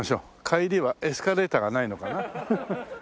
帰りはエスカレーターがないのかな？